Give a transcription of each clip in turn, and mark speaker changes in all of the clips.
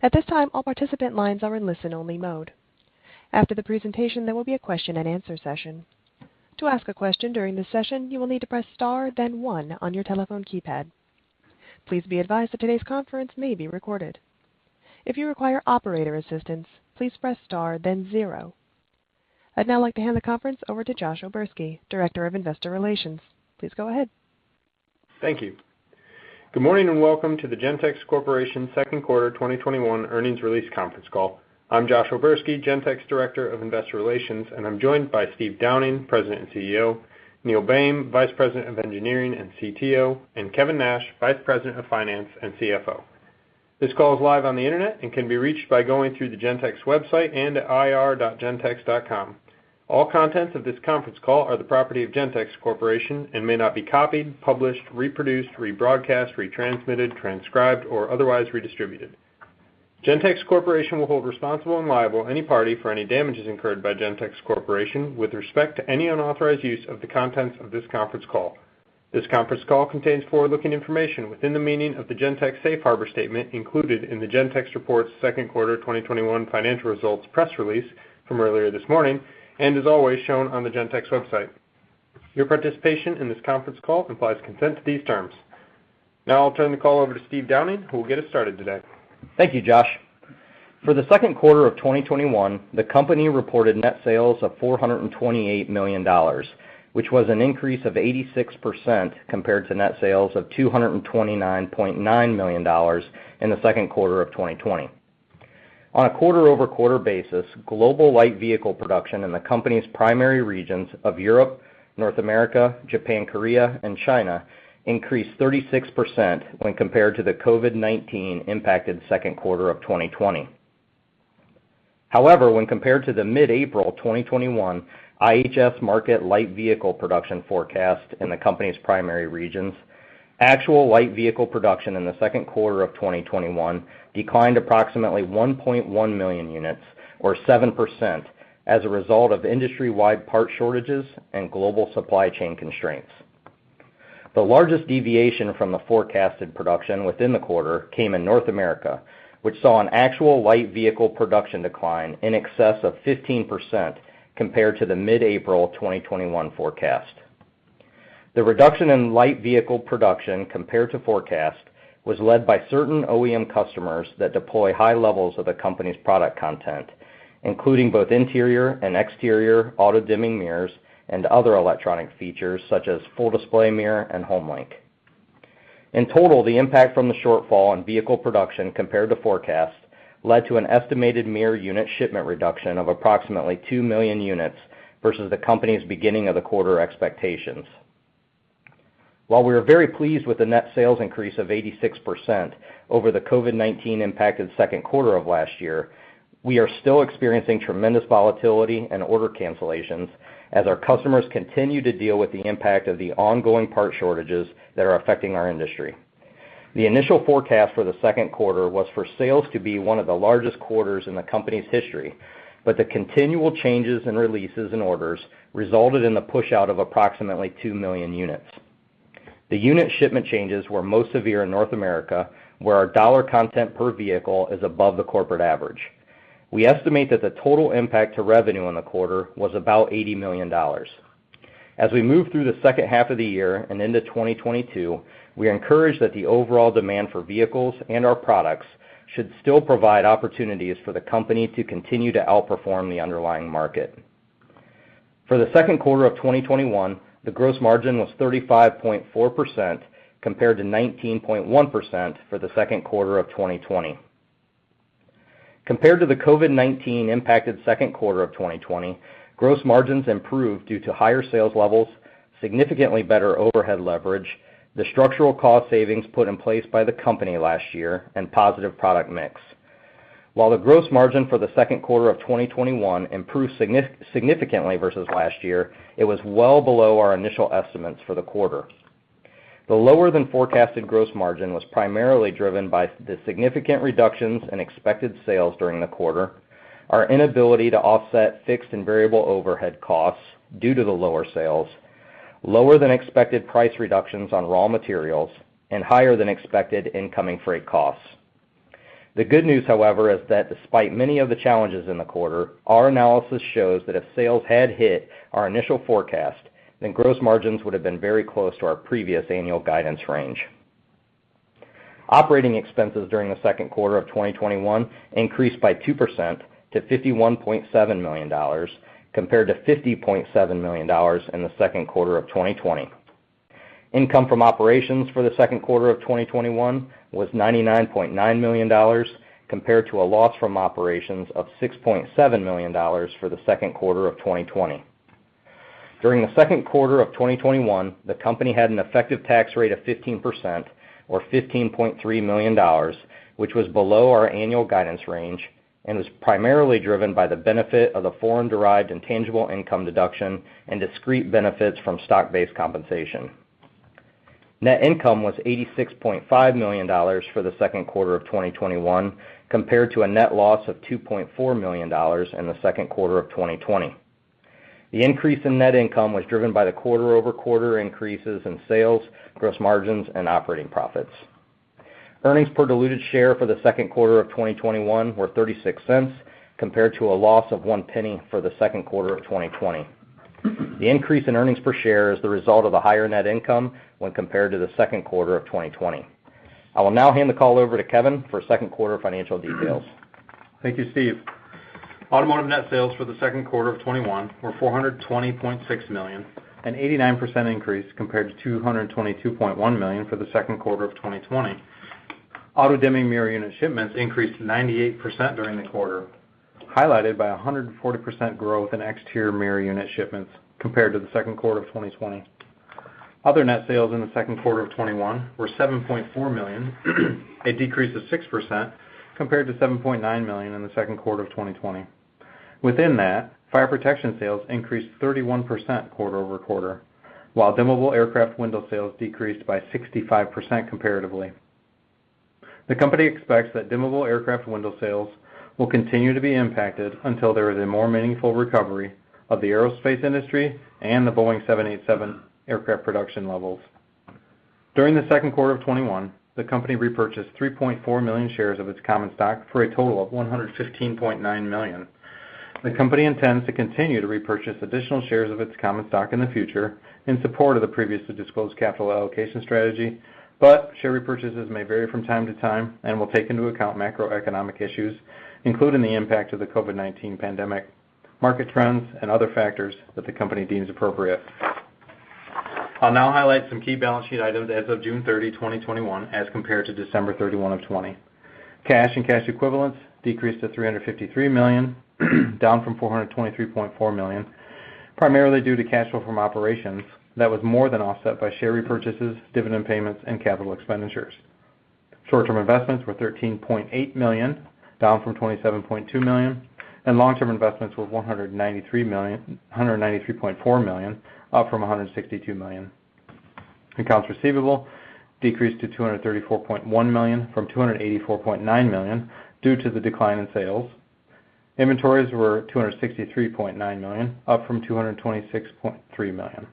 Speaker 1: At this time, all participant lines are in listen-only mode. After the presentation, there will be a question and answer session. To ask a question during this session, you will need to press star then one on your telephone keypad. Please be advised that today's conference may be recorded. If you require operator assistance, please press star then zero. I'd now like to hand the conference over to Josh O'Berski, Director of Investor Relations. Please go ahead.
Speaker 2: Thank you. Good morning. Welcome to the Gentex Corporation Second Quarter 2021 Earnings Release Conference Call. I'm Josh O'Berski, Gentex Director of Investor Relations, and I'm joined by Steve Downing, President and CEO, Neil Boehm, Vice President of Engineering and CTO, and Kevin Nash, Vice President of Finance and CFO. This call is live on the internet and can be reached by going through the Gentex website and at ir.gentex.com. All contents of this conference call are the property of Gentex Corporation and may not be copied, published, reproduced, rebroadcast, retransmitted, transcribed or otherwise redistributed. Gentex Corporation will hold responsible and liable any party for any damages incurred by Gentex Corporation with respect to any unauthorized use of the contents of this conference call. This conference call contains forward-looking information within the meaning of the Gentex safe harbor statement included in the Gentex reports Second Quarter 2021 Financial Results press release from earlier this morning and is always shown on the Gentex website. Your participation in this conference call implies consent to these terms. Now I'll turn the call over to Steve Downing, who will get us started today.
Speaker 3: Thank you, Josh. For the second quarter of 2021, the company reported net sales of $428 million, which was an increase of 86% compared to net sales of $229.9 million in the second quarter of 2020. On a quarter-over-quarter basis, global light vehicle production in the company's primary regions of Europe, North America, Japan, Korea, and China increased 36% when compared to the COVID-19 impacted second quarter of 2020. However, when compared to the mid-April 2021 IHS Markit light vehicle production forecast in the company's primary regions, actual light vehicle production in the second quarter of 2021 declined approximately 1.1 million units or 7% as a result of industry-wide part shortages and global supply chain constraints. The largest deviation from the forecasted production within the quarter came in North America, which saw an actual light vehicle production decline in excess of 15% compared to the mid-April 2021 forecast. The reduction in light vehicle production compared to forecast was led by certain OEM customers that deploy high levels of the company's product content, including both interior and exterior auto-dimming mirrors and other electronic features such as Full Display Mirror and HomeLink. In total, the impact from the shortfall on vehicle production compared to forecast led to an estimated mirror unit shipment reduction of approximately 2 million units versus the company's beginning of the quarter expectations. While we are very pleased with the net sales increase of 86% over the COVID-19 impacted second quarter of last year, we are still experiencing tremendous volatility and order cancellations as our customers continue to deal with the impact of the ongoing part shortages that are affecting our industry. The initial forecast for the second quarter was for sales to be one of the largest quarters in the company's history, but the continual changes in releases and orders resulted in the push out of approximately 2 million units. The unit shipment changes were most severe in North America, where our dollar content per vehicle is above the corporate average. We estimate that the total impact to revenue in the quarter was about $80 million. As we move through the second half of the year and into 2022, we are encouraged that the overall demand for vehicles and our products should still provide opportunities for the company to continue to outperform the underlying market. For the second quarter of 2021, the gross margin was 35.4% compared to 19.1% for the second quarter of 2020. Compared to the COVID-19 impacted second quarter of 2020, gross margins improved due to higher sales levels, significantly better overhead leverage, the structural cost savings put in place by the company last year, and positive product mix. While the gross margin for the second quarter of 2021 improved significantly versus last year, it was well below our initial estimates for the quarter. The lower than forecasted gross margin was primarily driven by the significant reductions in expected sales during the quarter, our inability to offset fixed and variable overhead costs due to the lower sales, lower than expected price reductions on raw materials, and higher than expected incoming freight costs. The good news, however, is that despite many of the challenges in the quarter, our analysis shows that if sales had hit our initial forecast, then gross margins would have been very close to our previous annual guidance range. Operating expenses during the second quarter of 2021 increased by 2% to $51.7 million compared to $50.7 million in the second quarter of 2020. Income from operations for the second quarter of 2021 was $99.9 million compared to a loss from operations of $6.7 million for the second quarter of 2020. During the second quarter of 2021, the company had an effective tax rate of 15% or $15.3 million, which was below our annual guidance range and was primarily driven by the benefit of the foreign-derived intangible income deduction and discrete benefits from stock-based compensation. Net income was $86.5 million for the second quarter of 2021 compared to a net loss of $2.4 million in the second quarter of 2020. The increase in net income was driven by the quarter-over-quarter increases in sales, gross margins, and operating profits. Earnings per diluted share for the second quarter of 2021 were $0.36 compared to a loss of $0.01 for the second quarter of 2020. The increase in earnings per share is the result of a higher net income when compared to the second quarter of 2020. I will now hand the call over to Kevin for second quarter financial details.
Speaker 4: Thank you, Steve. Automotive net sales for the second quarter of 2021 were $420.6 million, an 89% increase compared to $222.1 million for the second quarter of 2020. auto-dimming mirror unit shipments increased 98% during the quarter, highlighted by 140% growth in exterior mirror unit shipments compared to the second quarter of 2020. Other net sales in the second quarter of 2021 were $7.4 million, a decrease of 6% compared to $7.9 million in the second quarter of 2020. Within that, Fire Protection sales increased 31% quarter-over-quarter, while dimmable aircraft window sales decreased by 65% comparatively. The company expects that dimmable aircraft window sales will continue to be impacted until there is a more meaningful recovery of the aerospace industry and the Boeing 787 aircraft production levels. During the second quarter of 2021, the company repurchased 3.4 million shares of its common stock for a total of $115.9 million. The company intends to continue to repurchase additional shares of its common stock in the future in support of the previously disclosed capital allocation strategy, but share repurchases may vary from time to time and will take into account macroeconomic issues, including the impact of the COVID-19 pandemic, market trends, and other factors that the company deems appropriate. I'll now highlight some key balance sheet items as of June 30, 2021, as compared to December 31 of 2020. Cash and cash equivalents decreased to $353 million, down from $423.4 million, primarily due to cash flow from operations that was more than offset by share repurchases, dividend payments, and capital expenditures. Short-term investments were $13.8 million, down from $27.2 million, and long-term investments were $193.4 million, up from $162 million. Accounts receivable decreased to $234.1 million from $284.9 million due to the decline in sales. Inventories were $263.9 million, up from $226.3 million.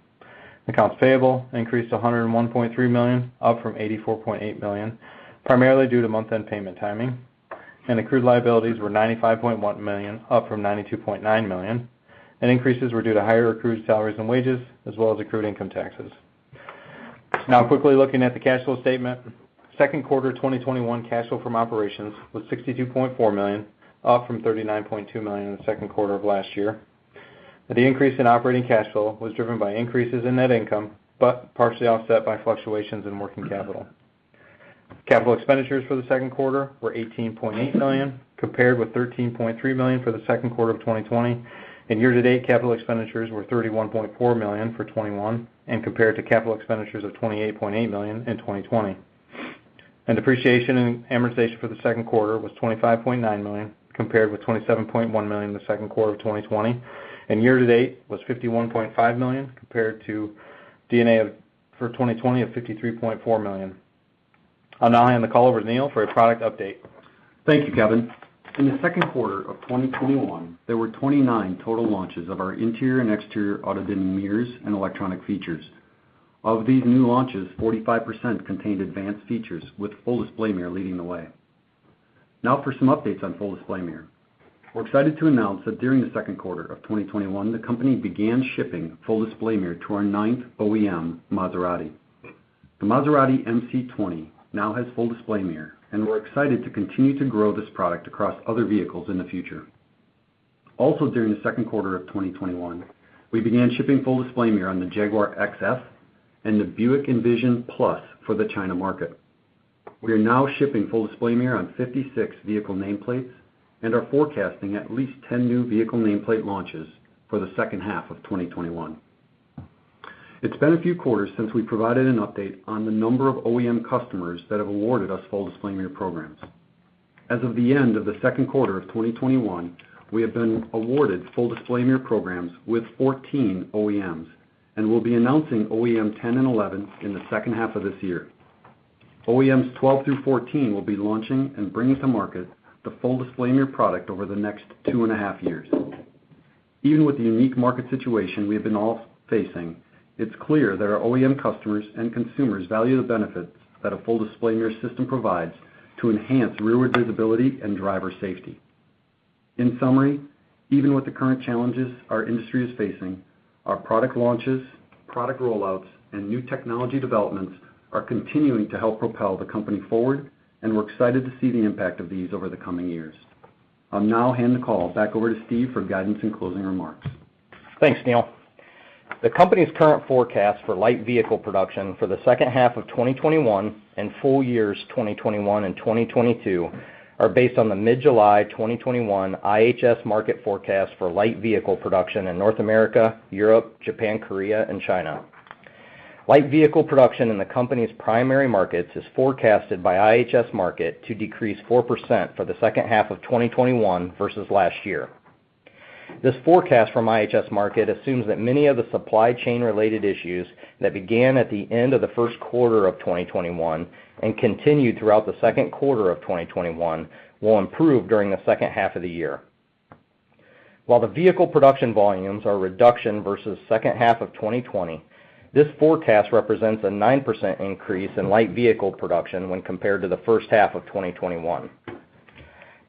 Speaker 4: Accounts payable increased to $101.3 million, up from $84.8 million, primarily due to month-end payment timing. Accrued liabilities were $95.1 million, up from $92.9 million, and increases were due to higher accrued salaries and wages, as well as accrued income taxes. Now quickly looking at the cash flow statement, second quarter 2021 cash flow from operations was $62.4 million, up from $39.2 million in the second quarter of last year. The increase in operating cash flow was driven by increases in net income, but partially offset by fluctuations in working capital. Capital expenditures for the second quarter were $18.8 million, compared with $13.3 million for the second quarter of 2020, and year-to-date capital expenditures were $31.4 million for 2021 and compared to capital expenditures of $28.8 million in 2020. Depreciation and amortization for the second quarter was $25.9 million, compared with $27.1 million in the second quarter of 2020, and year to date was $51.5 million compared to D&A for 2020 of $53.4 million. I'll now hand the call over to Neil for a product update.
Speaker 5: Thank you, Kevin. In the second quarter of 2021, there were 29 total launches of our interior and exterior auto-dimming mirrors and electronic features. Of these new launches, 45% contained advanced features, with Full Display Mirror leading the way. For some updates on Full Display Mirror. We're excited to announce that during the second quarter of 2021, the company began shipping Full Display Mirror to our ninth OEM, Maserati. The Maserati MC20 now has Full Display Mirror. We're excited to continue to grow this product across other vehicles in the future. During the second quarter of 2021, we began shipping Full Display Mirror on the Jaguar XF and the Buick Envision Plus for the China market. We are now shipping Full Display Mirror on 56 vehicle nameplates and are forecasting at least 10 new vehicle nameplate launches for the second half of 2021. It's been a few quarters since we provided an update on the number of OEM customers that have awarded us Full Display Mirror programs. As of the end of the second quarter of 2021, we have been awarded Full Display Mirror programs with 14 OEMs, and we'll be announcing OEM 10 and 11 in the second half of this year. OEMs 12 through 14 will be launching and bringing to market the Full Display Mirror product over the next 2.5 years. Even with the unique market situation we have been all facing, it's clear that our OEM customers and consumers value the benefits that a Full Display Mirror system provides to enhance rearward visibility and driver safety. In summary, even with the current challenges our industry is facing, our product launches, product rollouts, and new technology developments are continuing to help propel the company forward, and we're excited to see the impact of these over the coming years. I'll now hand the call back over to Steve for guidance and closing remarks.
Speaker 3: Thanks, Neil. The company's current forecast for light vehicle production for the second half of 2021 and full years 2021 and 2022 are based on the mid-July 2021 IHS Markit forecast for light vehicle production in North America, Europe, Japan, Korea, and China. Light vehicle production in the company's primary markets is forecasted by IHS Markit to decrease 4% for the second half of 2021 versus last year. This forecast from IHS Markit assumes that many of the supply chain related issues that began at the end of the first quarter of 2021 and continued throughout the second quarter of 2021 will improve during the second half of the year. While the vehicle production volumes are reduction versus second half of 2020, this forecast represents a 9% increase in light vehicle production when compared to the first half of 2021.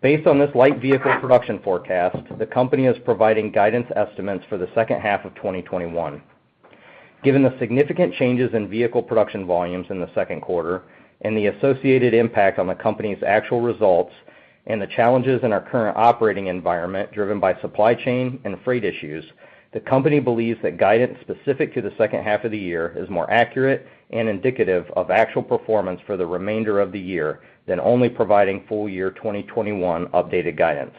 Speaker 3: Based on this light vehicle production forecast, the company is providing guidance estimates for the second half of 2021. Given the significant changes in vehicle production volumes in the second quarter and the associated impact on the company's actual results, and the challenges in our current operating environment driven by supply chain and freight issues, the company believes that guidance specific to the second half of the year is more accurate and indicative of actual performance for the remainder of the year than only providing full year 2021 updated guidance.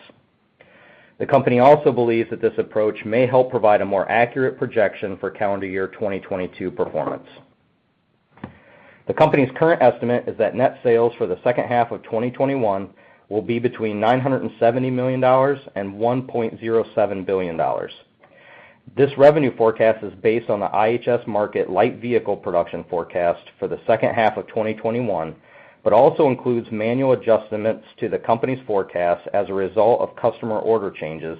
Speaker 3: The company also believes that this approach may help provide a more accurate projection for calendar year 2022 performance. The company's current estimate is that net sales for the second half of 2021 will be between $970 million and $1.07 billion. This revenue forecast is based on the IHS Markit light vehicle production forecast for the second half of 2021, but also includes manual adjustments to the company's forecast as a result of customer order changes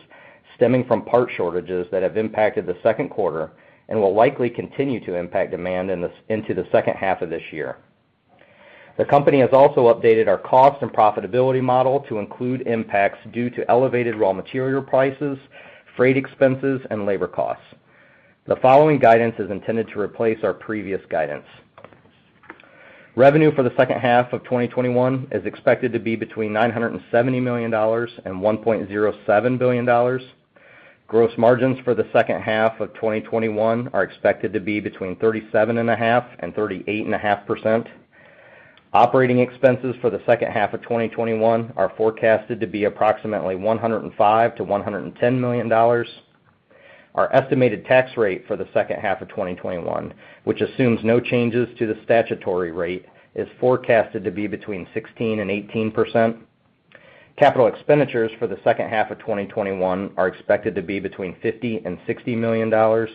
Speaker 3: stemming from part shortages that have impacted the second quarter and will likely continue to impact demand into the second half of this year. The company has also updated our cost and profitability model to include impacts due to elevated raw material prices, freight expenses, and labor costs. The following guidance is intended to replace our previous guidance. Revenue for the second half of 2021 is expected to be between $970 million and $1.07 billion. Gross margins for the second half of 2021 are expected to be between 37.5% and 38.5%. Operating expenses for the second half of 2021 are forecasted to be approximately $105 million-$110 million. Our estimated tax rate for the second half of 2021, which assumes no changes to the statutory rate, is forecasted to be between 16%-18%. Capital expenditures for the second half of 2021 are expected to be between $50 million-$60 million.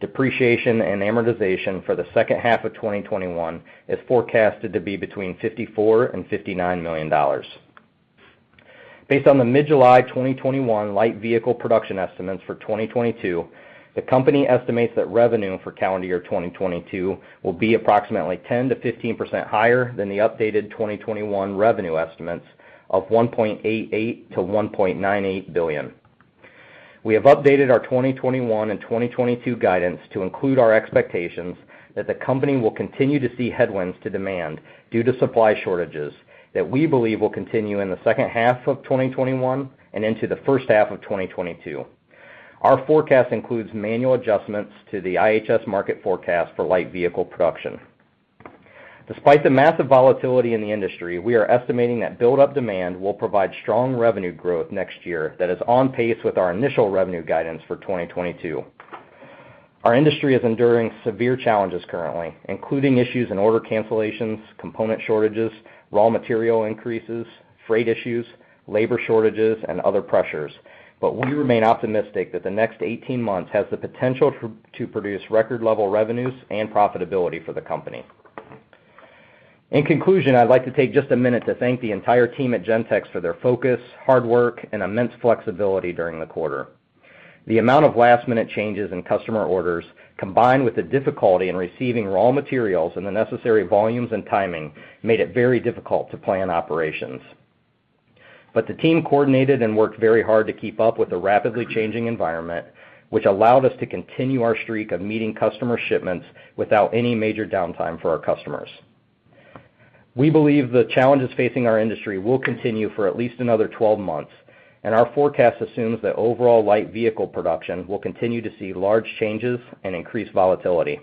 Speaker 3: Depreciation and amortization for the second half of 2021 is forecasted to be between $54 million-$59 million. Based on the mid-July 2021 light vehicle production estimates for 2022, the company estimates that revenue for calendar year 2022 will be approximately 10%-15% higher than the updated 2021 revenue estimates of $1.88 billion-$1.98 billion. We have updated our 2021 and 2022 guidance to include our expectations that the company will continue to see headwinds to demand due to supply shortages that we believe will continue in the second half of 2021 and into the first half of 2022. Our forecast includes manual adjustments to the IHS Markit forecast for light vehicle production. Despite the massive volatility in the industry, we are estimating that built-up demand will provide strong revenue growth next year that is on pace with our initial revenue guidance for 2022. Our industry is enduring severe challenges currently, including issues in order cancellations, component shortages, raw material increases, freight issues, labor shortages, and other pressures, but we remain optimistic that the next 18 months has the potential to produce record level revenues and profitability for the company. In conclusion, I'd like to take just a minute to thank the entire team at Gentex for their focus, hard work, and immense flexibility during the quarter. The amount of last-minute changes in customer orders, combined with the difficulty in receiving raw materials in the necessary volumes and timing, made it very difficult to plan operations. The team coordinated and worked very hard to keep up with the rapidly changing environment, which allowed us to continue our streak of meeting customer shipments without any major downtime for our customers. We believe the challenges facing our industry will continue for at least another 12 months, and our forecast assumes that overall light vehicle production will continue to see large changes and increased volatility.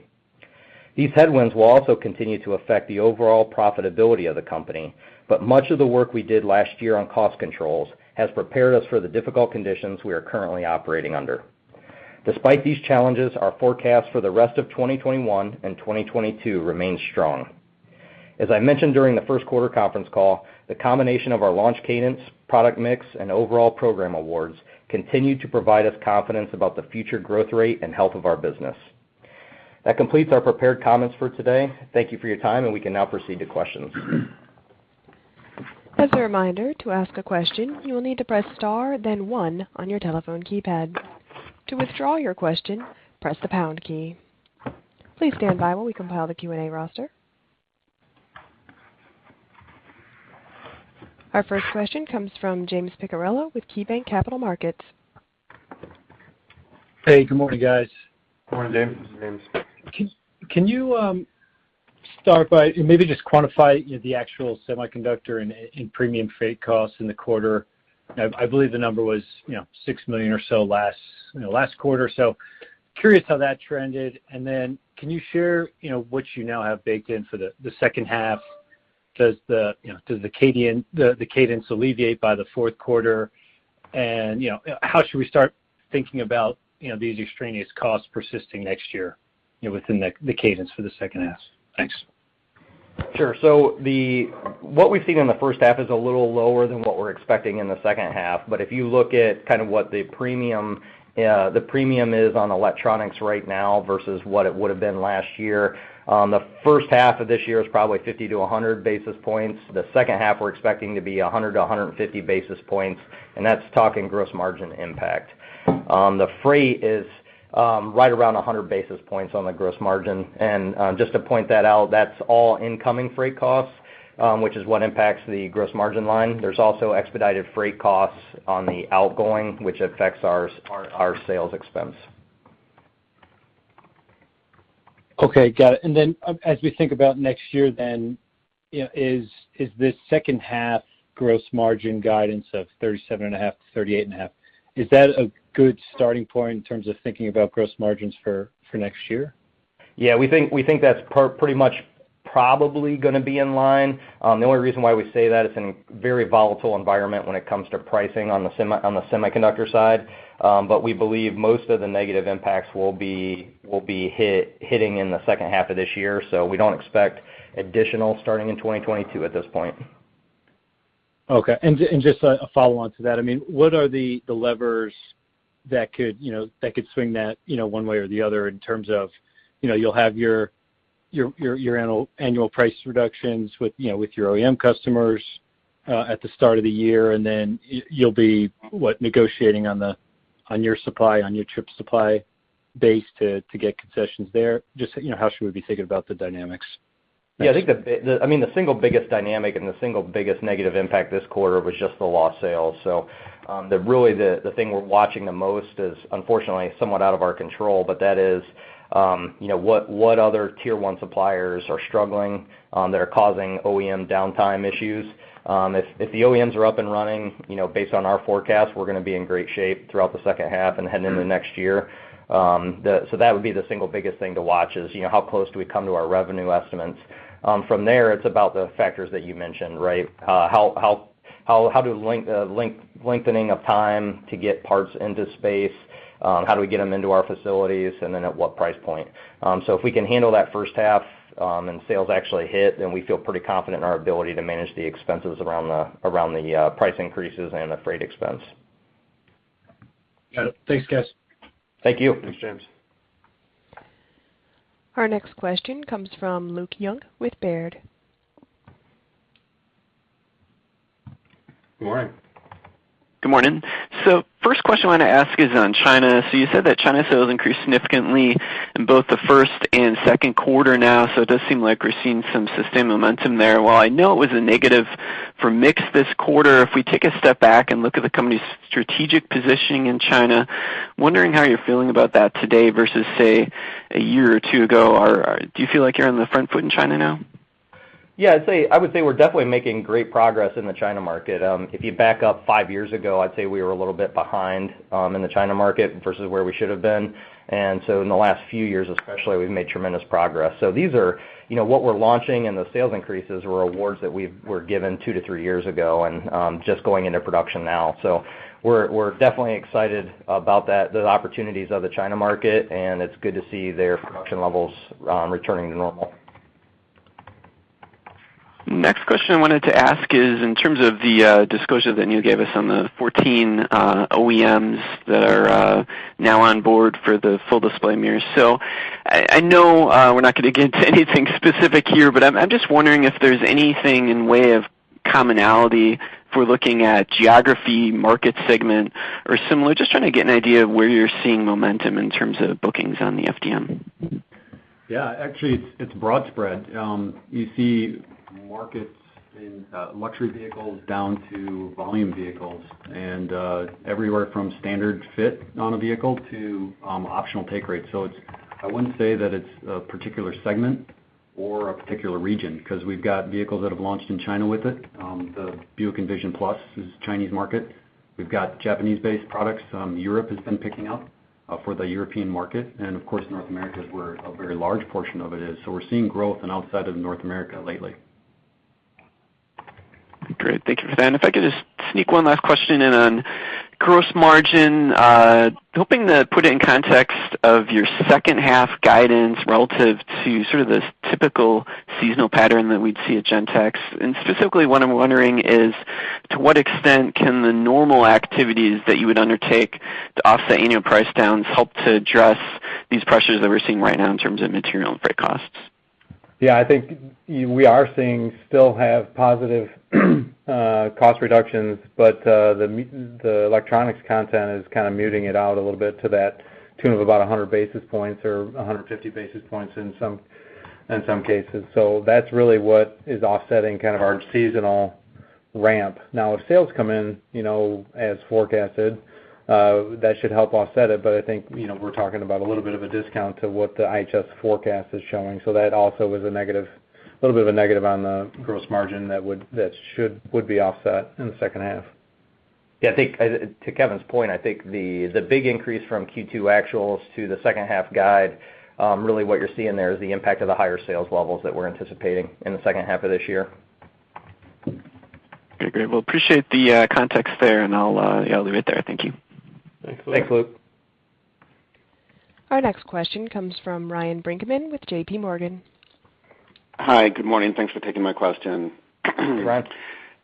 Speaker 3: These headwinds will also continue to affect the overall profitability of the company, but much of the work we did last year on cost controls has prepared us for the difficult conditions we are currently operating under. Despite these challenges, our forecast for the rest of 2021 and 2022 remains strong. As I mentioned during the first quarter conference call, the combination of our launch cadence, product mix, and overall program awards continue to provide us confidence about the future growth rate and health of our business. That completes our prepared comments for today. Thank you for your time, and we can now proceed to questions.
Speaker 1: As a reminder, to ask a question, you will need to press star then one on your telephone keypad. To withdraw your question, press the pound key. Please stand by while we compile the Q&A roster. Our first question comes from James Picariello with KeyBanc Capital Markets.
Speaker 6: Hey, good morning, guys.
Speaker 3: Morning, James.
Speaker 6: Can you start by maybe just quantify the actual semiconductor and premium freight costs in the quarter? I believe the number was $6 million or so last quarter. Curious how that trended, can you share what you now have baked in for the second half? Does the cadence alleviate by the fourth quarter? How should we start thinking about these extraneous costs persisting next year within the cadence for the second half? Thanks.
Speaker 3: Sure. What we've seen in the first half is a little lower than what we're expecting in the second half, but if you look at kind of what the premium is on electronics right now versus what it would've been last year, the first half of this year is probably 50 to 100 basis points. The second half we're expecting to be 100 to 150 basis points. That's talking gross margin impact. The freight is right around 100 basis points on the gross margin. Just to point that out, that's all incoming freight costs, which is what impacts the gross margin line. There's also expedited freight costs on the outgoing, which affects our sales expense.
Speaker 6: Okay, got it. As we think about next year then, is this second half gross margin guidance of 37.5%-38.5%, is that a good starting point in terms of thinking about gross margins for next year?
Speaker 3: Yeah, we think that's pretty much probably going to be in line. The only reason why we say that, it's a very volatile environment when it comes to pricing on the semiconductor side. We believe most of the negative impacts will be hitting in the second half of this year. We don't expect additional starting in 2022 at this point.
Speaker 6: Okay. Just a follow-on to that, what are the levers that could swing that one way or the other in terms of you'll have your annual price reductions with your OEM customers at the start of the year, and then you'll be, what, negotiating on your supply, on your chip supply base to get concessions there? Just how should we be thinking about the dynamics?
Speaker 3: Yeah, I think the single biggest dynamic and the single biggest negative impact this quarter was just the lost sales. Really the thing we're watching the most is unfortunately somewhat out of our control, but that is what other tier one suppliers are struggling that are causing OEM downtime issues. If the OEMs are up and running based on our forecast, we're going to be in great shape throughout the second half and heading into next year. That would be the single biggest thing to watch is how close do we come to our revenue estimates. From there it's about the factors that you mentioned, right? How do lengthening of time to get parts into space, how do we get them into our facilities, and then at what price point? If we can handle that first half, and sales actually hit, then we feel pretty confident in our ability to manage the expenses around the price increases and the freight expense.
Speaker 6: Got it. Thanks, guys.
Speaker 5: Thank you.
Speaker 3: Thanks, James.
Speaker 1: Our next question comes from Luke Junk with Baird.
Speaker 5: Good morning.
Speaker 7: Good morning. First question I want to ask is on China. You said that China sales increased significantly in both the first and second quarter now, so it does seem like we're seeing some sustained momentum there. While I know it was a negative for mix this quarter, if we take a step back and look at the company's strategic positioning in China, wondering how you're feeling about that today versus, say, a year or two ago. Do you feel like you're on the front foot in China now?
Speaker 3: Yeah, I would say we're definitely making great progress in the China market. If you back up five years ago, I'd say we were a little bit behind in the China market versus where we should have been. In the last few years especially, we've made tremendous progress. What we're launching and the sales increases were awards that we were given two to three years ago and just going into production now. We're definitely excited about the opportunities of the China market, and it's good to see their production levels returning to normal.
Speaker 7: Next question I wanted to ask is in terms of the disclosure that you gave us on the 14 OEMs that are now on board for the Full Display Mirror. I know we're not going to get into anything specific here, but I'm just wondering if there's anything in way of commonality if we're looking at geography, market segment, or similar. Just trying to get an idea of where you're seeing momentum in terms of bookings on the FDM.
Speaker 5: Yeah, actually it's broad spread. You see markets in luxury vehicles down to volume vehicles and everywhere from standard fit on a vehicle to optional take rate. I wouldn't say that it's a particular segment or a particular region because we've got vehicles that have launched in China with it. The Buick Envision Plus is Chinese market. We've got Japanese-based products. Europe has been picking up for the European market, of course North America is where a very large portion of it is. We're seeing growth in outside of North America lately.
Speaker 7: Great. Thank you for that. If I could just sneak one last question in on gross margin. Hoping to put it in context of your second half guidance relative to sort of the typical seasonal pattern that we'd see at Gentex. Specifically what I'm wondering is, to what extent can the normal activities that you would undertake to offset annual price downs help to address these pressures that we're seeing right now in terms of material and freight costs?
Speaker 4: I think we are seeing still have positive cost reductions, the electronics content is kind of muting it out a little bit to that tune of about 100 basis points or 150 basis points in some cases. That's really what is offsetting kind of our seasonal ramp. If sales come in as forecasted, that should help offset it. I think we're talking about a little bit of a discount to what the IHS forecast is showing. That also is a little bit of a negative on the gross margin that would be offset in the second half.
Speaker 3: Yeah, to Kevin's point, I think the big increase from Q2 actuals to the second half guide, really what you're seeing there is the impact of the higher sales levels that we're anticipating in the second half of this year.
Speaker 7: Okay, great. Appreciate the context there and I'll leave it there. Thank you.
Speaker 5: Thanks, Luke.
Speaker 3: Thanks, Luke.
Speaker 1: Our next question comes from Ryan Brinkman with JPMorgan.
Speaker 8: Hi, good morning. Thanks for taking my question.
Speaker 5: Hey, Ryan.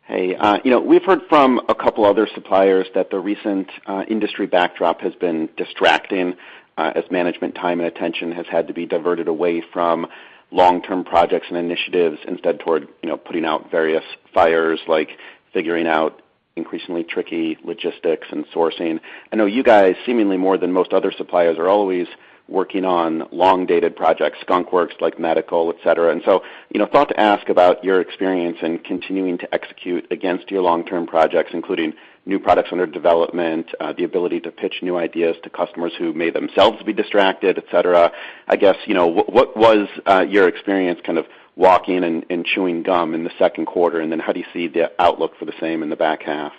Speaker 8: Hey. We've heard from a couple other suppliers that the recent industry backdrop has been distracting as management time and attention has had to be diverted away from long-term projects and initiatives instead toward putting out various fires like figuring out increasingly tricky logistics and sourcing. I know you guys, seemingly more than most other suppliers, are always working on long-dated projects, skunk works like medical, et cetera. So, I thought to ask about your experience in continuing to execute against your long-term projects, including new products under development, the ability to pitch new ideas to customers who may themselves be distracted, et cetera. I guess, what was your experience walking and chewing gum in the second quarter, and then how do you see the outlook for the same in the back half?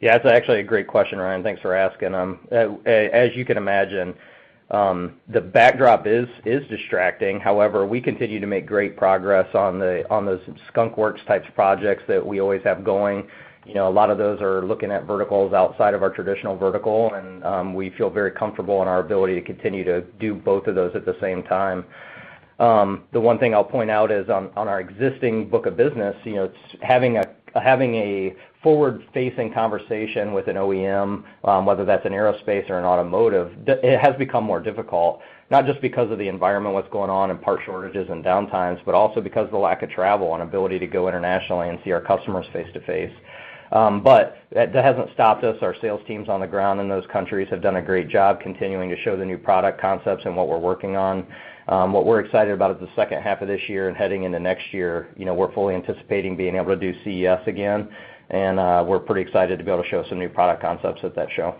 Speaker 3: That's actually a great question, Ryan. Thanks for asking. As you can imagine, the backdrop is distracting. However, we continue to make great progress on those skunk works type projects that we always have going. A lot of those are looking at verticals outside of our traditional vertical, and we feel very comfortable in our ability to continue to do both of those at the same time. The one thing I'll point out is on our existing book of business, having a forward-facing conversation with an OEM, whether that's in aerospace or in automotive, it has become more difficult, not just because of the environment, what's going on in part shortages and downtimes, but also because of the lack of travel and ability to go internationally and see our customers face to face. That hasn't stopped us. Our sales teams on the ground in those countries have done a great job continuing to show the new product concepts and what we're working on. What we're excited about is the second half of this year and heading into next year. We're fully anticipating being able to do CES again, and we're pretty excited to be able to show some new product concepts at that show.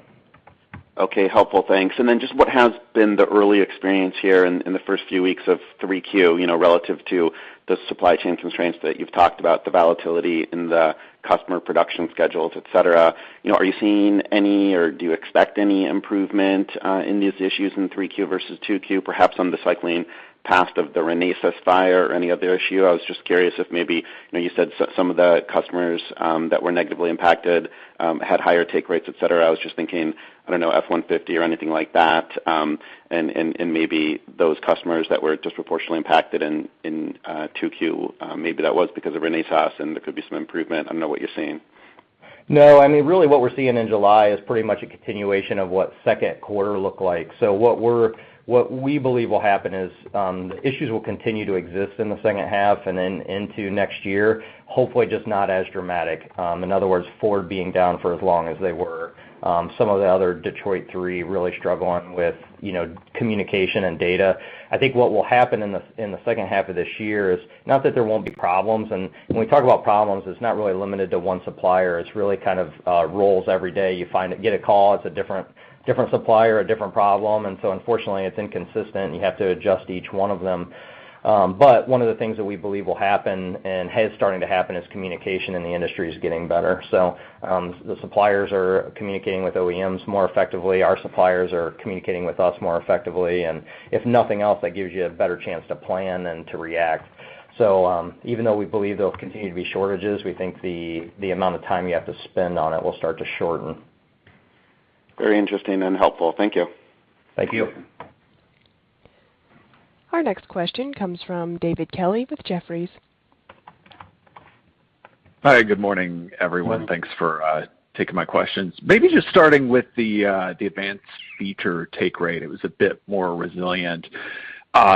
Speaker 8: Okay, helpful. Thanks. What has been the early experience here in the first few weeks of 3Q relative to the supply chain constraints that you've talked about, the volatility in the customer production schedules, et cetera? Are you seeing any, or do you expect any improvement in these issues in 3Q versus 2Q, perhaps on the cycling past of the Renesas fire or any other issue? I was just curious if maybe, you said some of the customers that were negatively impacted had higher take rates, et cetera. I was just thinking, I don't know, F-150 or anything like that, and maybe those customers that were disproportionately impacted in 2Q, maybe that was because of Renesas and there could be some improvement. I don't know what you're seeing.
Speaker 3: Really what we're seeing in July is pretty much a continuation of what second quarter looked like. What we believe will happen is the issues will continue to exist in the second half and then into next year, hopefully just not as dramatic. In other words, Ford being down for as long as they were. Some of the other Detroit Three really struggling with communication and data. I think what will happen in the second half of this year is, not that there won't be problems, and when we talk about problems, it's not really limited to one supplier, it really kind of rolls every day. You get a call, it's a different supplier, a different problem. Unfortunately, it's inconsistent, and you have to adjust each one of them. One of the things that we believe will happen and is starting to happen is communication in the industry is getting better. The suppliers are communicating with OEMs more effectively. Our suppliers are communicating with us more effectively. If nothing else, that gives you a better chance to plan than to react. Even though we believe there'll continue to be shortages, we think the amount of time you have to spend on it will start to shorten.
Speaker 8: Very interesting and helpful. Thank you.
Speaker 3: Thank you.
Speaker 1: Our next question comes from David Kelley with Jefferies.
Speaker 9: Hi. Good morning, everyone. Thanks for taking my questions. Maybe just starting with the advanced feature take rate, it was a bit more resilient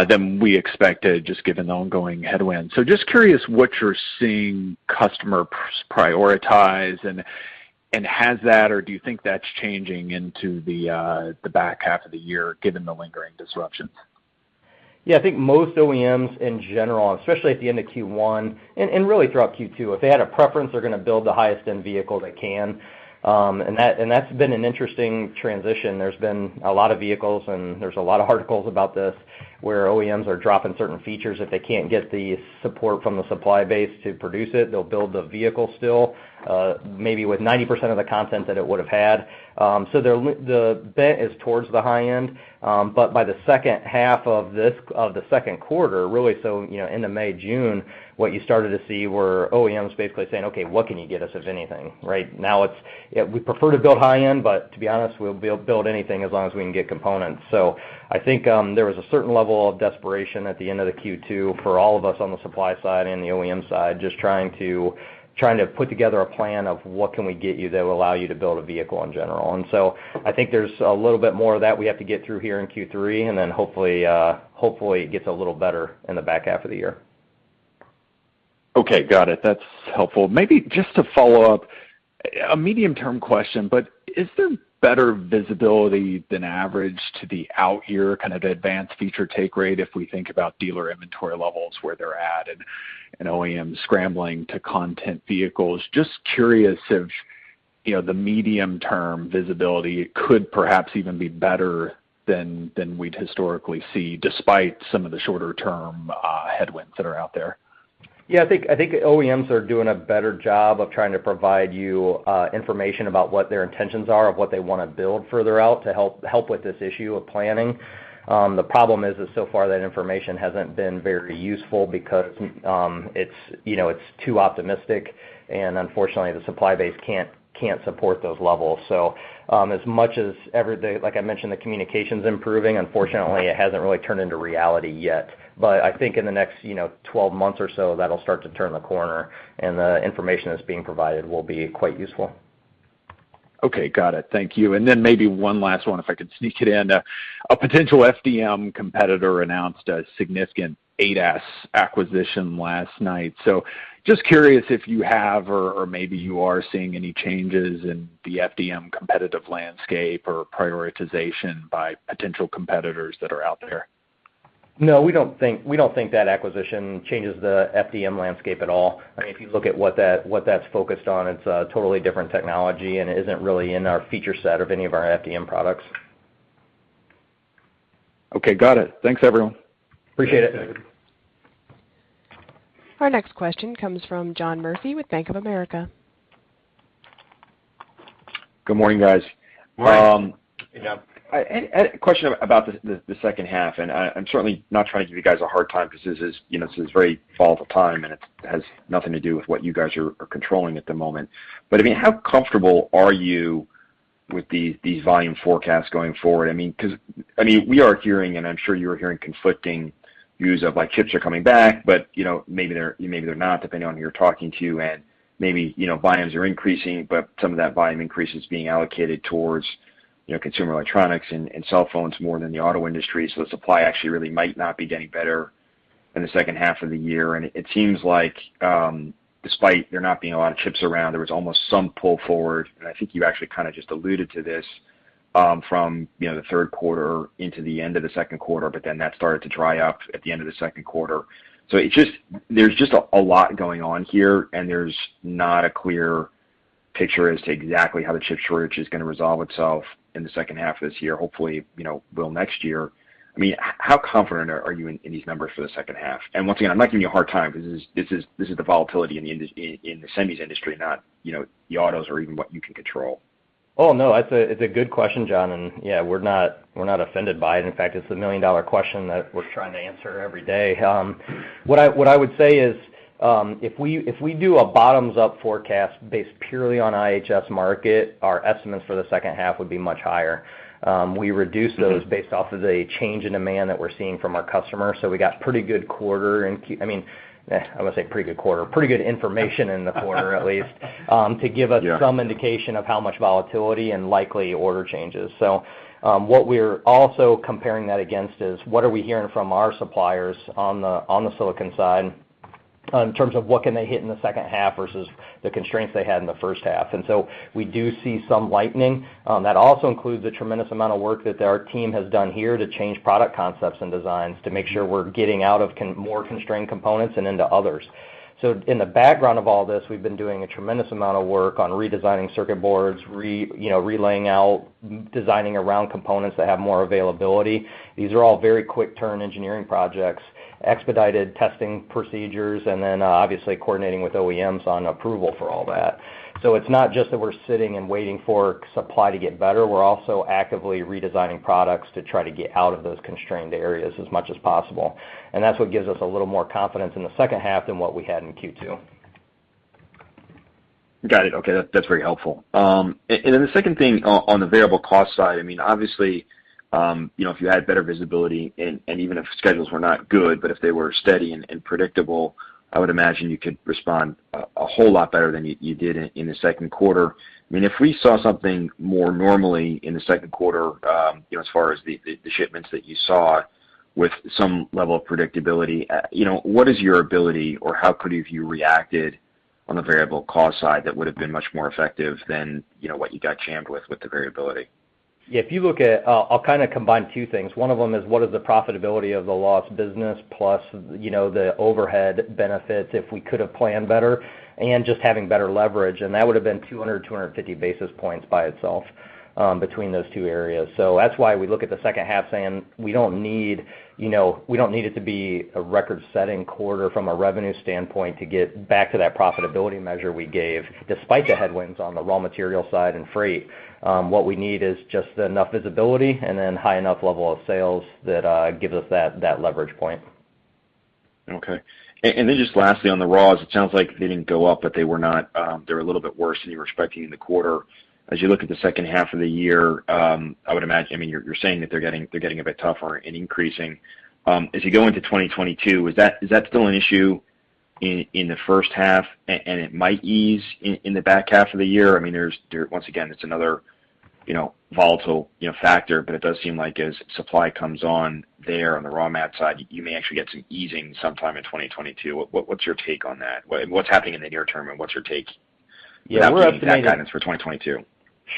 Speaker 9: than we expected, just given the ongoing headwinds. Just curious what you're seeing customers prioritize, and do you think that's changing into the back half of the year, given the lingering disruptions?
Speaker 3: Yeah. I think most OEMs in general, especially at the end of Q1 and really throughout Q2, if they had a preference, they're going to build the highest end vehicle they can. That's been an interesting transition. There's been a lot of vehicles, and there's a lot of articles about this, where OEMs are dropping certain features if they can't get the support from the supply base to produce it. They'll build the vehicle still, maybe with 90% of the content that it would have had. The bent is towards the high end. By the second half of the second quarter, really, so into May, June, what you started to see were OEMs basically saying, "Okay, what can you get us, if anything?" Right now it's, "We prefer to build high end, to be honest, we'll build anything as long as we can get components." I think there was a certain level of desperation at the end of the Q2 for all of us on the supply side and the OEM side, just trying to put together a plan of what can we get you that will allow you to build a vehicle in general. I think there's a little bit more of that we have to get through here in Q3, and then hopefully, it gets a little better in the back half of the year.
Speaker 9: Okay, got it. That's helpful. Maybe just to follow up, a medium-term question, but is there better visibility than average to the out-year kind of advanced feature take rate if we think about dealer inventory levels where they're at and OEMs scrambling to content vehicles? Just curious if the medium-term visibility could perhaps even be better than we'd historically see despite some of the shorter-term headwinds that are out there.
Speaker 3: Yeah, I think OEMs are doing a better job of trying to provide you information about what their intentions are of what they want to build further out to help with this issue of planning. The problem is that so far, that information hasn't been very useful because it's too optimistic, and unfortunately, the supply base can't support those levels. As much as, like I mentioned, the communication's improving, unfortunately, it hasn't really turned into reality yet. I think in the next 12 months or so, that'll start to turn the corner, and the information that's being provided will be quite useful.
Speaker 9: Okay, got it. Thank you. Maybe one last one, if I could sneak it in. A potential FDM competitor announced a significant ADAS acquisition last night. Just curious if you have, or maybe you are seeing any changes in the FDM competitive landscape or prioritization by potential competitors that are out there.
Speaker 3: No, we don't think that acquisition changes the FDM landscape at all. If you look at what that's focused on, it's a totally different technology and isn't really in our feature set of any of our FDM products.
Speaker 9: Okay, got it. Thanks everyone.
Speaker 3: Appreciate it.
Speaker 1: Our next question comes from John Murphy with Bank of America.
Speaker 10: Good morning, guys.
Speaker 3: Morning.
Speaker 10: A question about the second half, I'm certainly not trying to give you guys a hard time because this is very volatile time, and it has nothing to do with what you guys are controlling at the moment. How comfortable are you with these volume forecasts going forward? I mean, we are hearing, and I'm sure you are hearing conflicting views of like, chips are coming back, but maybe they're not, depending on who you're talking to. Maybe volumes are increasing, but some of that volume increase is being allocated towards consumer electronics and cell phones more than the auto industry. The supply actually really might not be getting better in the second half of the year. It seems like, despite there not being a lot of chips around, there was almost some pull forward, and I think you actually kind of just alluded to this, from the third quarter into the end of the second quarter, but then that started to dry up at the end of the second quarter. There's just a lot going on here, and there's not a clear picture as to exactly how the chip shortage is going to resolve itself in the second half of this year. Hopefully, will next year. How confident are you in these numbers for the second half? Once again, I'm not giving you a hard time because this is the volatility in the semis industry, not the autos or even what you can control.
Speaker 3: Oh, no, it's a good question, John. Yeah, we're not offended by it. In fact, it's the million-dollar question that we're trying to answer every day. What I would say is, if we do a bottoms-up forecast based purely on IHS Markit, our estimates for the second half would be much higher. We reduce those based off of the change in demand that we're seeing from our customers. We got pretty good information in the quarter at least, to give us some indication of how much volatility and likely order changes. What we're also comparing that against is what are we hearing from our suppliers on the silicon side in terms of what can they hit in the second half versus the constraints they had in the first half. We do see some lightening. That also includes the tremendous amount of work that our team has done here to change product concepts and designs to make sure we're getting out of more constrained components and into others. In the background of all this, we've been doing a tremendous amount of work on redesigning circuit boards, relaying out, designing around components that have more availability. These are all very quick turn engineering projects, expedited testing procedures, and then obviously coordinating with OEMs on approval for all that. It's not just that we're sitting and waiting for supply to get better. We're also actively redesigning products to try to get out of those constrained areas as much as possible. That's what gives us a little more confidence in the second half than what we had in Q2.
Speaker 10: Got it. Okay. That's very helpful. The second thing on the variable cost side, obviously, if you had better visibility and even if schedules were not good, but if they were steady and predictable, I would imagine you could respond a whole lot better than you did in the second quarter. If we saw something more normally in the second quarter, as far as the shipments that you saw with some level of predictability, what is your ability, or how could you have reacted on the variable cost side that would have been much more effective than what you got jammed with the variability?
Speaker 3: Yeah, if you look at I'll kind of combine two things. One of them is what is the profitability of the lost business plus the overhead benefits if we could have planned better and just having better leverage, and that would have been 200, 250 basis points by itself between those two areas. That's why we look at the second half saying we don't need it to be a record-setting quarter from a revenue standpoint to get back to that profitability measure we gave, despite the headwinds on the raw material side and freight. What we need is just enough visibility and then high enough level of sales that gives us that leverage point.
Speaker 10: Okay. Just lastly on the raws, it sounds like they didn't go up, but they were a little bit worse than you were expecting in the quarter. As you look at the second half of the year, I would imagine, you're saying that they're getting a bit tougher and increasing. As you go into 2022, is that still an issue in the first half, and it might ease in the back half of the year? I mean, once again, it's another volatile factor, but it does seem like as supply comes on there on the raw mat side, you may actually get some easing sometime in 2022. What's your take on that? What's happening in the near term, and what's your take without being that guidance for 2022?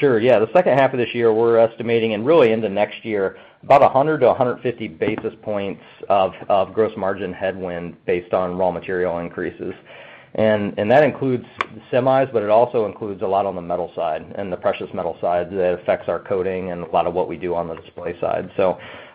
Speaker 3: Sure. Yeah. The second half of this year, we're estimating, and really into next year, about 100 to 150 basis points of gross margin headwind based on raw material increases. That includes the semis, but it also includes a lot on the metal side and the precious metal side that affects our coating and a lot of what we do on the display side.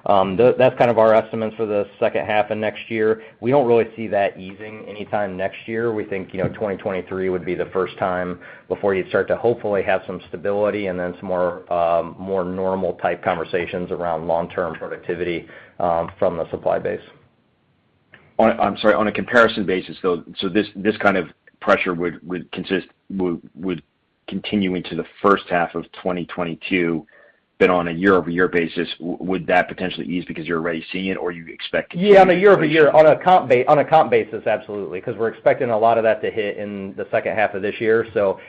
Speaker 3: That's kind of our estimates for the second half of next year. We don't really see that easing anytime next year. We think 2023 would be the first time before you'd start to hopefully have some stability and then some more normal type conversations around long-term productivity from the supply base.
Speaker 10: I'm sorry. On a comparison basis though, this kind of pressure would continue into the first half of 2022 on a year-over-year basis, would that potentially ease because you're already seeing it, or you expect to see?
Speaker 3: On a year-over-year, on a comp basis, absolutely. We're expecting a lot of that to hit in the second half of this year.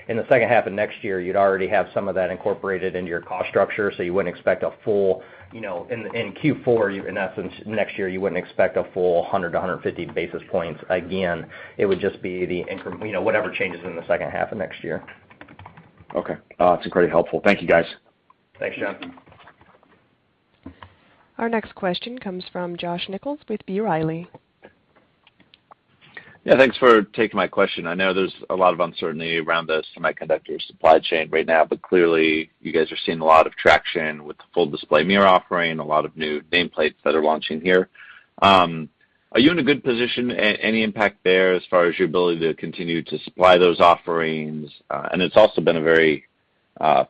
Speaker 3: In the second half of next year, you'd already have some of that incorporated into your cost structure, so you wouldn't expect a full, in Q4, in essence, next year, you wouldn't expect a full 100-150 basis points again. It would just be whatever changes in the second half of next year.
Speaker 10: Okay. That's incredibly helpful. Thank you, guys.
Speaker 3: Thanks, John.
Speaker 1: Our next question comes from Josh Nichols with B. Riley.
Speaker 11: Thanks for taking my question. I know there's a lot of uncertainty around the semiconductor supply chain right now, but clearly you guys are seeing a lot of traction with the Full Display Mirror offering, a lot of new nameplates that are launching here. Are you in a good position? Any impact there as far as your ability to continue to supply those offerings? It's also been a very